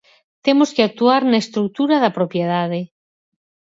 Temos que actuar na estrutura da propiedade.